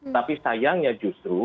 tapi sayangnya justru